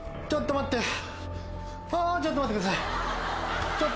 ちょっと待って。